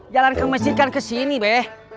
jalan ke masjid kan kesini deh